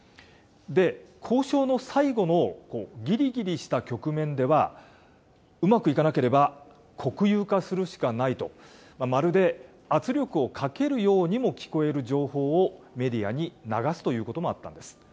交渉の最後のぎりぎりした局面では、うまくいかなければ、国有化するしかないと、まるで圧力をかけるようにも聞こえる情報をメディアに流すということもあったんです。